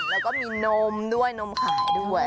แล้วก็มีนมด้วยนมขายด้วย